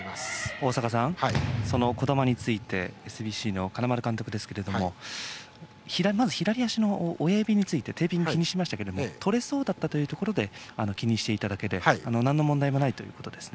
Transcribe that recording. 大坂さん、その児玉についてＳＢＣの金丸監督ですがまず左足親指についてテーピングを気にしていましたが取れそうだったというところで気にしていただけでなんの問題もないということです。